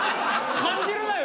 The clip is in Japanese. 感じるなよ